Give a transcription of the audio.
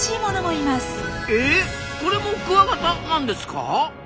えっこれもクワガタなんですか？